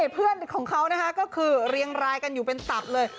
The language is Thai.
เพื่อนของเขานะคะก็คือเรียงรายกันอยู่เป็นตับเลย